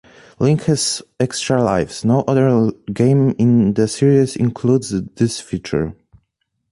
Link has extra lives; no other game in the series includes this feature.